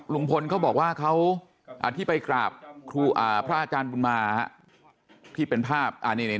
ลุงพลเขาบอกว่าเขาที่ไปกราบพระอาจารย์บุญมาที่เป็นภาพ